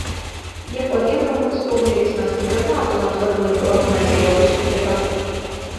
იაპონიამ, როგორც ტურნირის მასპინძელმა ავტომატურად მოიპოვა მონაწილეობის უფლება.